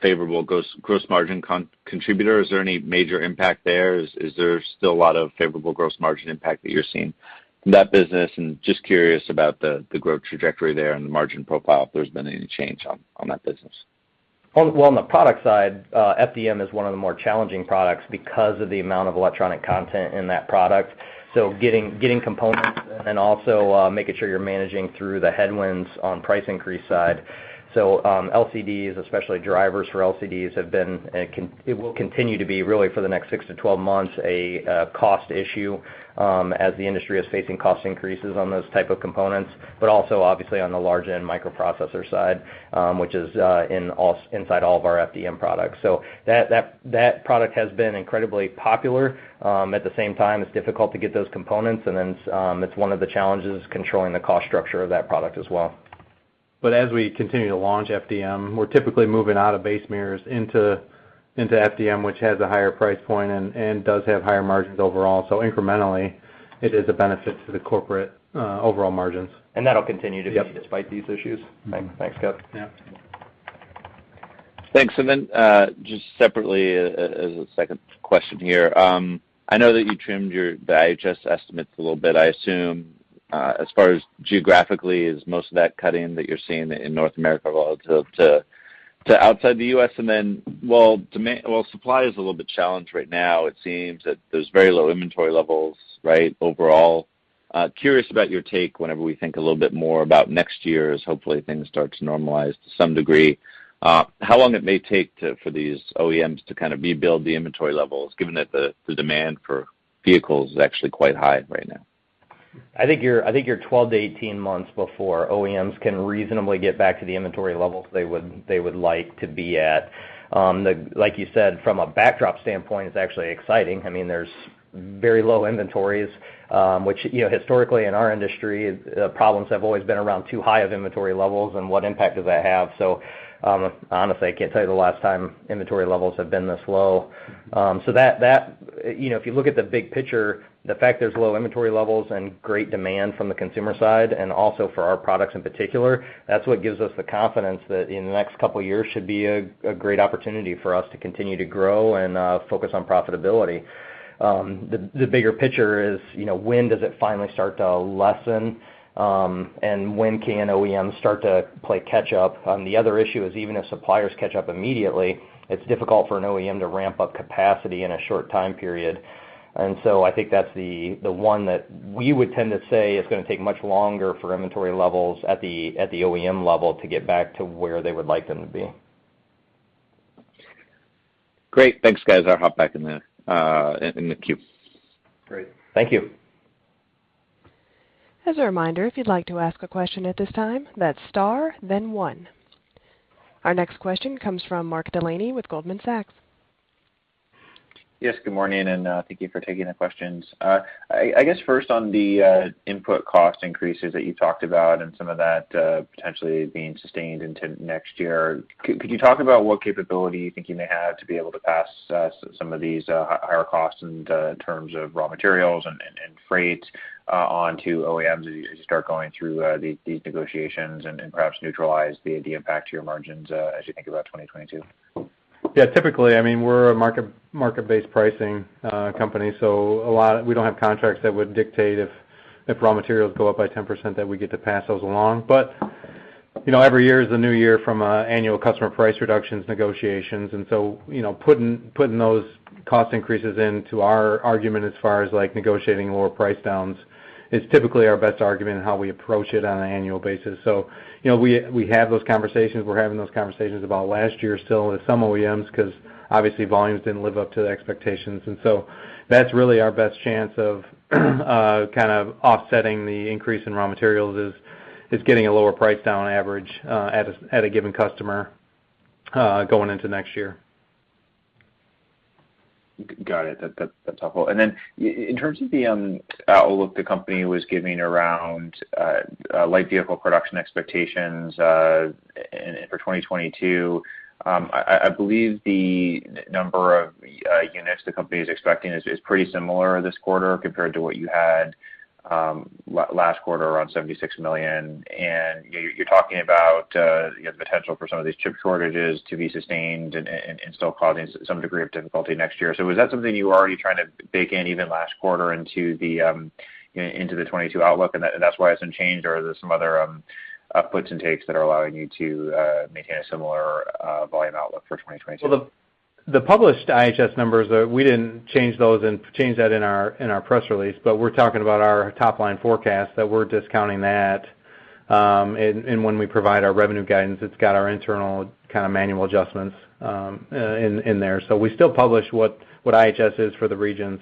Speaker 11: favorable gross margin contributor. Is there any major impact there? Is there still a lot of favorable gross margin impact that you're seeing from that business? Just curious about the growth trajectory there and the margin profile, if there's been any change on that business.
Speaker 3: Well, on the product side, FDM is one of the more challenging products because of the amount of electronic content in that product. Getting components and then also making sure you're managing through the headwinds on price increase side. LCDs, especially drivers for LCDs have been, and it will continue to be really for the next six to 12 months, a cost issue as the industry is facing cost increases on those type of components, but also obviously on the large-end microprocessor side, which is inside all of our FDM products. That product has been incredibly popular. At the same time, it's difficult to get those components and then it's one of the challenges controlling the cost structure of that product as well.
Speaker 4: As we continue to launch FDM, we're typically moving out of base mirrors into FDM, which has a higher price point and does have higher margins overall. Incrementally, it is a benefit to the corporate overall margins.
Speaker 3: And that'll continue to be despite these issues.
Speaker 11: Thanks, guys.
Speaker 4: Yeah.
Speaker 11: Thanks. Just separately as a second question here. I know that you trimmed your IHS estimates a little bit. I assume as far as geographically is most of that cutting that you're seeing in North America relative to outside the U.S.? While supply is a little bit challenged right now, it seems that there's very low inventory levels, right, overall? Curious about your take whenever we think a little bit more about next year as hopefully things start to normalize to some degree. How long it may take for these OEMs to kind of rebuild the inventory levels, given that the demand for vehicles is actually quite high right now?
Speaker 3: I think you're 12-18 months before OEMs can reasonably get back to the inventory levels they would like to be at. Like you said, from a backdrop standpoint, it's actually exciting. There's very low inventories, which historically in our industry, problems have always been around too high of inventory levels and what impact does that have. Honestly, I can't tell you the last time inventory levels have been this low. If you look at the big picture, the fact there's low inventory levels and great demand from the consumer side, and also for our products in particular, that's what gives us the confidence that in the next couple years should be a great opportunity for us to continue to grow and focus on profitability. The bigger picture is, when does it finally start to lessen? When can OEMs start to play catch up? The other issue is, even if suppliers catch up immediately, it's difficult for an OEM to ramp up capacity in a short time period. I think that's the one that we would tend to say is going to take much longer for inventory levels at the OEM level to get back to where they would like them to be.
Speaker 11: Great. Thanks, guys. I'll hop back in the queue.
Speaker 4: Great.
Speaker 3: Thank you.
Speaker 1: As a reminder, if you'd like to ask a question at this time, that's star then one. Our next question comes from Mark Delaney with Goldman Sachs.
Speaker 12: Yes, good morning, and thank you for taking the questions. I guess first on the input cost increases that you talked about and some of that potentially being sustained into next year, could you talk about what capability you think you may have to be able to pass some of these higher costs in terms of raw materials and freight onto OEMs as you start going through these negotiations and perhaps neutralize the impact to your margins as you think about 2022?
Speaker 3: Yeah. Typically, we're a market-based pricing company, so we don't have contracts that would dictate if raw materials go up by 10%, that we get to pass those along. Every year is a new year from an annual customer price reductions negotiations, and so putting those cost increases into our argument as far as negotiating lower price downs is typically our best argument in how we approach it on an annual basis. We have those conversations. We're having those conversations about last year still with some OEMs because obviously volumes didn't live up to the expectations. That's really our best chance of kind of offsetting the increase in raw materials is getting a lower price down average at a given customer going into next year.
Speaker 12: Got it. That's helpful. In terms of the outlook the company was giving around light vehicle production expectations for 2022, I believe the number of units the company is expecting is pretty similar this quarter compared to what you had last quarter around 76 million, and you're talking about the potential for some of these chip shortages to be sustained and still causing some degree of difficulty next year. Was that something you were already trying to bake in even last quarter into the 2022 outlook, and that's why it's unchanged? Are there some other puts and takes that are allowing you to maintain a similar volume outlook for 2022.
Speaker 3: The published IHS numbers, we didn't change that in our press release, but we're talking about our top-line forecast, that we're discounting that. When we provide our revenue guidance, it's got our internal manual adjustments in there. We still publish what IHS is for the regions,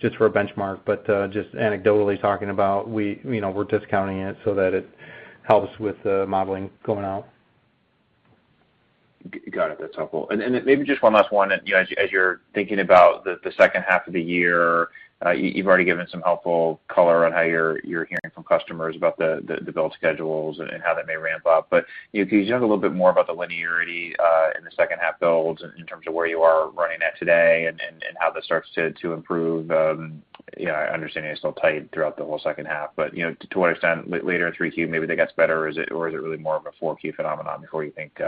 Speaker 3: just for a benchmark. Just anecdotally talking about, we're discounting it so that it helps with the modeling going out.
Speaker 12: Got it. That's helpful. Maybe just one last one. As you're thinking about the second half of the year, you've already given some helpful color on how you're hearing from customers about the build schedules and how that may ramp up. Can you talk a little bit more about the linearity in the second half builds in terms of where you are running at today and how that starts to improve? I understand you're still tight throughout the whole second half, but to what extent later in 3Q maybe that gets better? Is it really more of a 4Q phenomenon before you think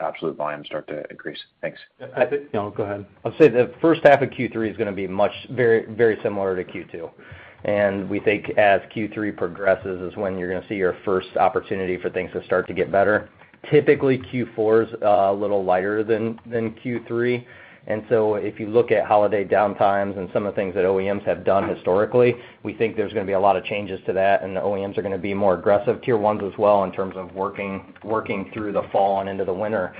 Speaker 12: absolute volumes start to increase? Thanks.
Speaker 3: I think.
Speaker 12: No, go ahead.
Speaker 3: I'll say the first half of Q3 is going to be very similar to Q2. We think as Q3 progresses is when you're going to see your first opportunity for things to start to get better. Typically, Q4's a little lighter than Q3. If you look at holiday downtimes and some of the things that OEMs have done historically, we think there's going to be a lot of changes to that. The OEMs are going to be more aggressive, tier 1s as well, in terms of working through the fall and into the winter.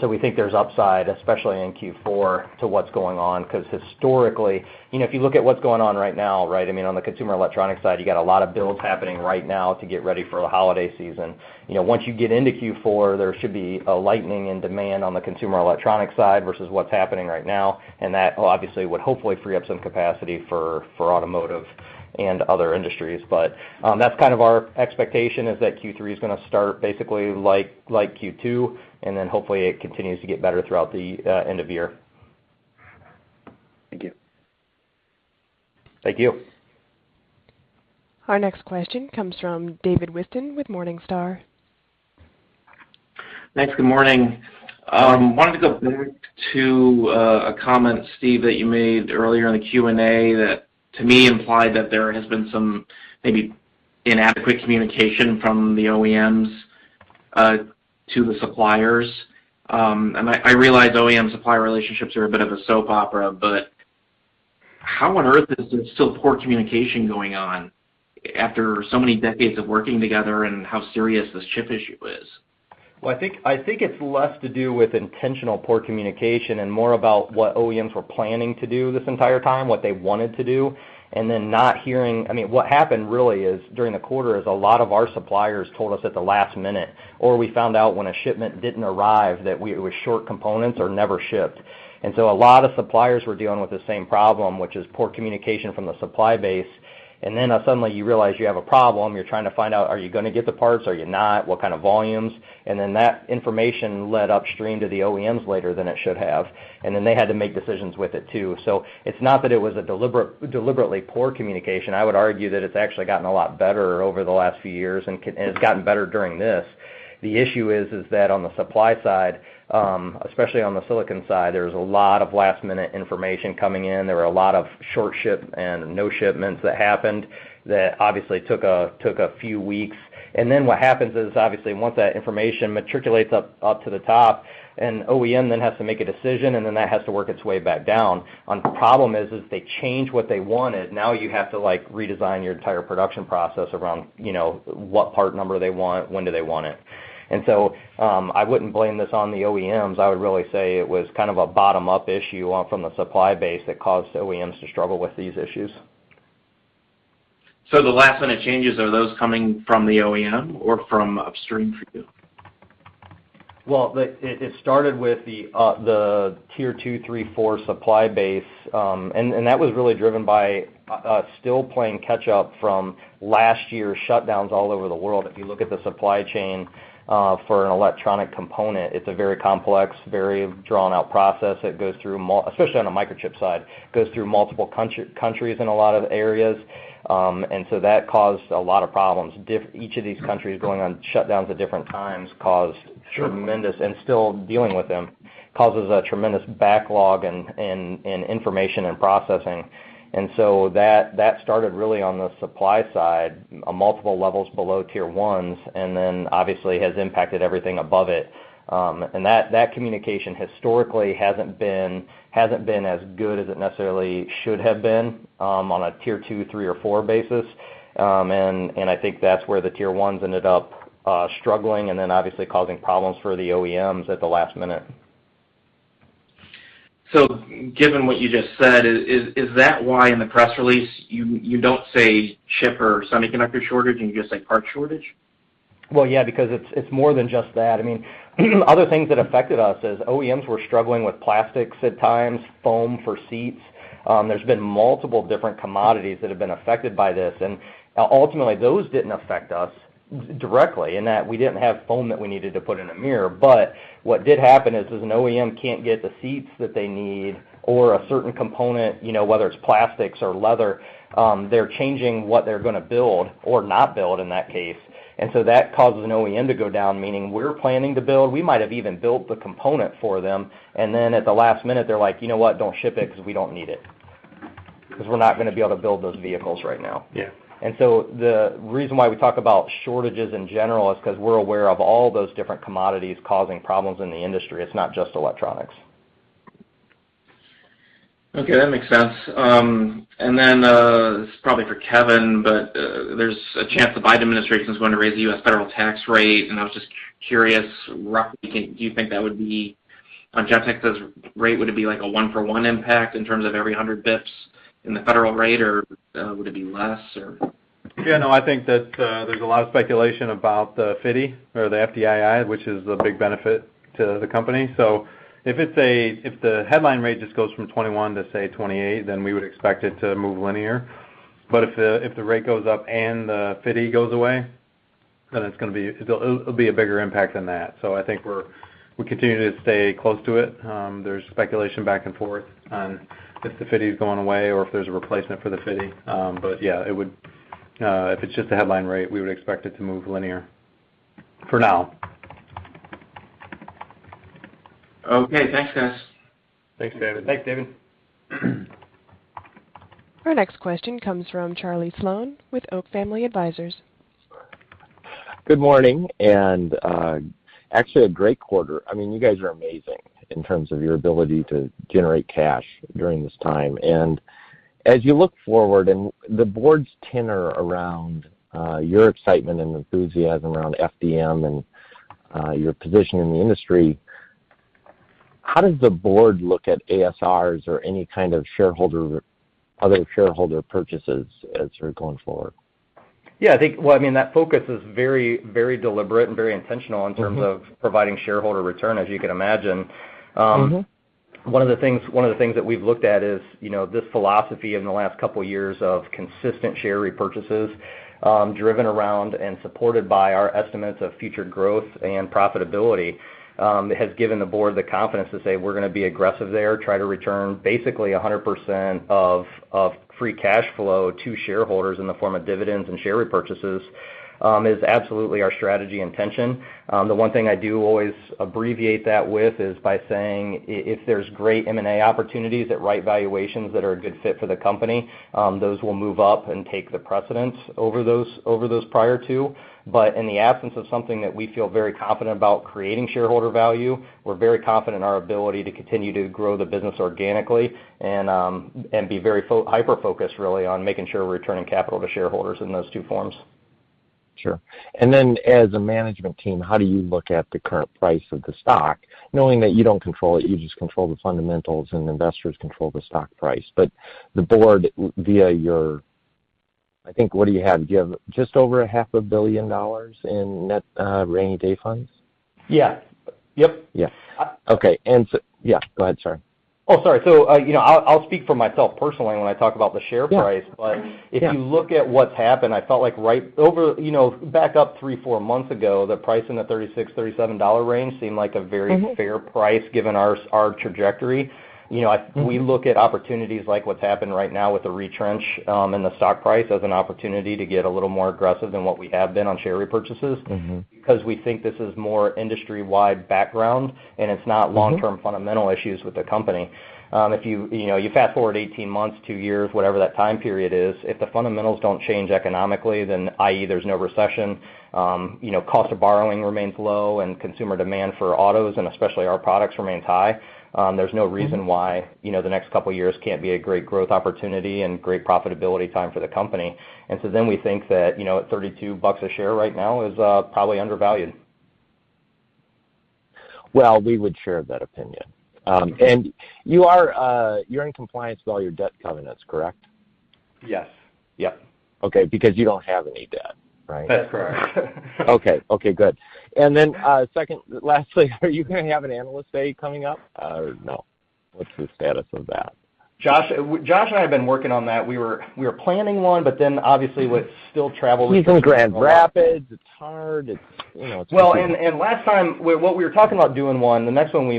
Speaker 3: We think there's upside, especially in Q4, to what's going on because historically, if you look at what's going on right now, on the consumer electronics side, you got a lot of builds happening right now to get ready for the holiday season. Once you get into Q4, there should be a lightening in demand on the consumer electronics side versus what's happening right now, and that obviously would hopefully free up some capacity for automotive and other industries. That's kind of our expectation is that Q3 is going to start basically like Q2, and then hopefully it continues to get better throughout the end of year.
Speaker 12: Thank you.
Speaker 3: Thank you.
Speaker 1: Our next question comes from David Whiston with Morningstar.
Speaker 13: Thanks. Good morning. Wanted to go back to a comment, Steve, that you made earlier in the Q&A that to me implied that there has been some maybe inadequate communication from the OEMs to the suppliers. I realize OEM supplier relationships are a bit of a soap opera, but how on earth is there still poor communication going on after so many decades of working together and how serious this chip issue is?
Speaker 3: Well, I think it's less to do with intentional poor communication and more about what OEMs were planning to do this entire time, what they wanted to do. What happened, really, is during the quarter, a lot of our suppliers told us at the last minute, or we found out when a shipment didn't arrive, that we were short components or never shipped. A lot of suppliers were dealing with the same problem, which is poor communication from the supply base, and then suddenly you realize you have a problem. You're trying to find out, are you going to get the parts, are you not? What kind of volumes? That information led upstream to the OEMs later than it should have, and then they had to make decisions with it, too. It's not that it was a deliberately poor communication. I would argue that it's actually gotten a lot better over the last few years and it's gotten better during this. The issue is that on the supply side, especially on the silicon side, there was a lot of last-minute information coming in. There were a lot of short ship and no shipments that happened that obviously took a few weeks. What happens is obviously once that information matriculates up to the top, an OEM then has to make a decision, and then that has to work its way back down. The problem is they change what they wanted. Now you have to redesign your entire production process around what part number they want, when do they want it. I wouldn't blame this on the OEMs. I would really say it was kind of a bottom-up issue from the supply base that caused OEMs to struggle with these issues.
Speaker 13: The last-minute changes, are those coming from the OEM or from upstream for you?
Speaker 3: It started with the tier 2, 3, 4 supply base. That was really driven by still playing catch up from last year's shutdowns all over the world. If you look at the supply chain for an electronic component, it's a very complex, very drawn out process. Especially on the microchip side, it goes through multiple countries in a lot of areas. That caused a lot of problems. Each of these countries going on shutdowns at different times caused tremendous, and still dealing with them, causes a tremendous backlog in information and processing. That started really on the supply side, on multiple levels below tier 1s. Then obviously has impacted everything above it. That communication historically hasn't been as good as it necessarily should have been on a tier 2, 3, or 4 basis. I think that's where the tier 1s ended up struggling and then obviously causing problems for the OEMs at the last minute.
Speaker 13: Given what you just said, is that why in the press release you don't say chip or semiconductor shortage, and you just say part shortage?
Speaker 3: Yeah, because it's more than just that. Other things that affected us is OEMs were struggling with plastics at times, foam for seats. There's been multiple different commodities that have been affected by this, and ultimately those didn't affect us directly in that we didn't have foam that we needed to put in a mirror. What did happen is an OEM can't get the seats that they need or a certain component, whether it's plastics or leather. They're changing what they're going to build or not build in that case. That causes an OEM to go down, meaning we're planning to build, we might have even built the component for them, and then at the last minute, they're like, "You know what? Don't ship it because we don't need it." Because we're not going to be able to build those vehicles right now.
Speaker 13: Yeah.
Speaker 3: The reason why we talk about shortages in general is because we're aware of all those different commodities causing problems in the industry. It's not just electronics.
Speaker 13: Okay, that makes sense. This is probably for Kevin, but there's a chance the Biden administration is going to raise the U.S. federal tax rate, and I was just curious roughly, do you think that would be on Gentex's rate, would it be like a one for one impact in terms of every 100 basis points in the federal rate or would it be less or?
Speaker 4: Yeah, no, I think that there's a lot of speculation about the FDII, which is a big benefit to the company. If the headline rate just goes from 21 to, say, 28, then we would expect it to move linear. If the rate goes up and the FDII goes away, then it'll be a bigger impact than that. I think we continue to stay close to it. There's speculation back and forth on if the FDII is going away or if there's a replacement for the FDII. Yeah, if it's just a headline rate, we would expect it to move linear for now.
Speaker 13: Okay, thanks guys.
Speaker 3: Thanks David.
Speaker 4: Thanks David.
Speaker 1: Our next question comes from Charlie Sloan with Oak Family Advisors.
Speaker 14: Good morning and actually a great quarter. You guys are amazing in terms of your ability to generate cash during this time. As you look forward and the board's tenor around your excitement and enthusiasm around FDM and your position in the industry, how does the board look at ASRs or any kind of other shareholder purchases as you're going forward?
Speaker 3: Yeah, I think, well, that focus is very deliberate and very intentional in terms of providing shareholder return, as you can imagine. One of the things that we've looked at is this philosophy in the last couple of years of consistent share repurchases, driven around and supported by our estimates of future growth and profitability, has given the board the confidence to say we're going to be aggressive there, try to return basically 100% of free cash flow to shareholders in the form of dividends and share repurchases is absolutely our strategy intention. The one thing I do always abbreviate that with is by saying if there's great M&A opportunities at right valuations that are a good fit for the company, those will move up and take the precedence over those prior to. In the absence of something that we feel very confident about creating shareholder value, we're very confident in our ability to continue to grow the business organically and be very hyper-focused, really, on making sure we're returning capital to shareholders in those two forms.
Speaker 14: Sure. As a management team, how do you look at the current price of the stock, knowing that you don't control it, you just control the fundamentals and investors control the stock price. The board via your, I think, what do you have? Do you have just over a half a billion dollars in net rainy day funds?
Speaker 3: Yeah. Yep.
Speaker 14: Yes. Okay. Yeah, go ahead, sorry.
Speaker 3: Oh, sorry. I'll speak for myself personally when I talk about the share price.
Speaker 14: Yeah.
Speaker 3: If you look at what's happened, I felt like back up three, four months ago, the price in the $36-$37 range seemed like a very fair price given our trajectory. We look at opportunities like what's happened right now with the retrench in the stock price as an opportunity to get a little more aggressive than what we have been on share repurchases. We think this is more industry-wide background and it's not long-term fundamental issues with the company. If you fast-forward 18 months, two years, whatever that time period is, if the fundamentals don't change economically, then i.e., there's no recession, cost of borrowing remains low and consumer demand for autos and especially our products remains high, there's no reason why the next couple of years can't be a great growth opportunity and great profitability time for the company. We think that at $32 a share right now is probably undervalued.
Speaker 14: Well, we would share that opinion. You're in compliance with all your debt covenants, correct?
Speaker 3: Yes.
Speaker 14: Okay. Because you don't have any debt, right?
Speaker 3: That's correct.
Speaker 14: Okay, good. Second, lastly, are you going to have an Analyst Day coming up? No. What's the status of that?
Speaker 3: Josh and I have been working on that. We were planning one, but then obviously with still travel restrictions.
Speaker 14: He's in Grand Rapids. It's hard. It's tricky.
Speaker 3: Well, last time what we were talking about doing one.
Speaker 14: Yeah
Speaker 3: we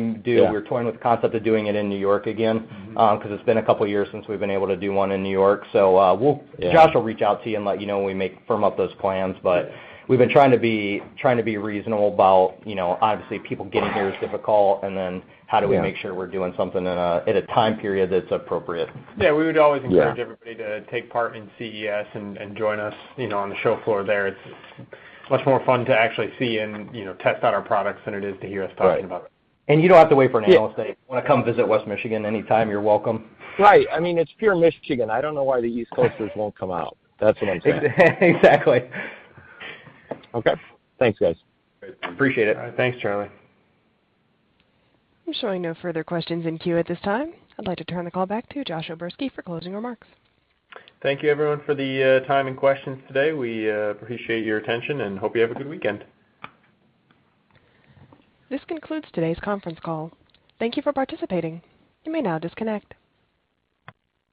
Speaker 3: were toying with the concept of doing it in New York again because it's been a couple of years since we've been able to do one in New York. Josh will reach out to you and let you know when we firm up those plans. We've been trying to be reasonable about obviously people getting here is difficult and then how do we make sure we're doing something at a time period that's appropriate.
Speaker 4: Yeah. We would always encourage everybody to take part in CES and join us on the show floor there. It's much more fun to actually see and test out our products than it is to hear us talking about it.
Speaker 3: You don't have to wait for an Analyst Day. You want to come visit West Michigan anytime, you're welcome.
Speaker 14: Right. It's Pure Michigan. I don't know why the East Coasters won't come out. That's what I'm saying.
Speaker 3: Exactly.
Speaker 14: Okay. Thanks, guys.
Speaker 3: Appreciate it.
Speaker 4: Thanks, Charlie.
Speaker 1: I'm showing no further questions in queue at this time. I'd like to turn the call back to Josh O'Berski for closing remarks.
Speaker 2: Thank you everyone for the time and questions today. We appreciate your attention and hope you have a good weekend.
Speaker 1: This concludes today's conference call. Thank you for participating. You may now disconnect.